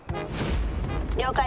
了解。